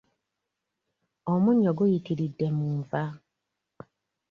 Omunnyo guyitiridde mu nva.